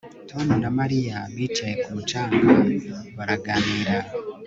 Tom na Mariya bicaye ku mucanga baraganira